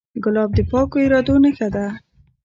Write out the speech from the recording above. ګلاب د پاکو ارادو نښه ده.